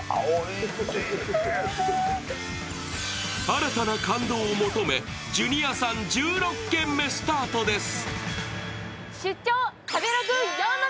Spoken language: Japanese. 新たな感動を求め、ジュニアさん１６軒目スタートです。